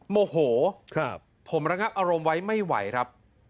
โมโหผมระงับอารมณ์ไว้ไม่ไหวครับ